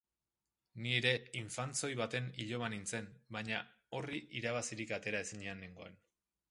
Ni ere infantzoi baten iloba nintzen, baina horri irabazirik atera ezinean nengoen.